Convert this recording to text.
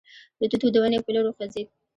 د توت د ونې په لور وخوځېد.